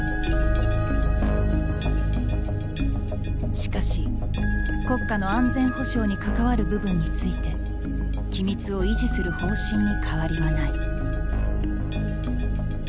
しかし国家の安全保障に関わる部分について機密を維持する方針に変わりはない。